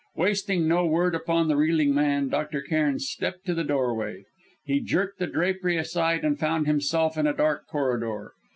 Wasting no word upon the reeling man, Dr. Cairn stepped to the doorway. He jerked the drapery aside and found himself in a dark corridor.